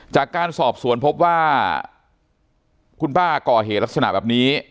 จากการสอบสวนพบว่าคุณป้าก่อเหตุลักษณะแบบนี้